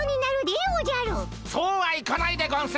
そうはいかないでゴンス！